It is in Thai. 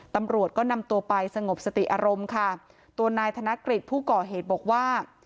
ตำรวจก็นำตัวไปสงบสติอารมณ์ค่ะตัวนายธนกฤษผู้ก่อเหตุบอกว่า